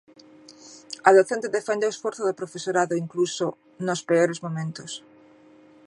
A docente defende o esforzo do profesorado incluso "nos peores momentos".